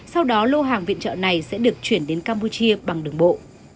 sau đó lô hàng viện trợ này sẽ được chuyển đến campuchia bằng đường bộ